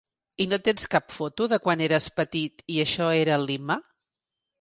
I no tens cap foto de quan eres petit i això era Lima?